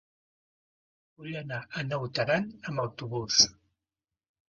Vull anar a Naut Aran amb autobús.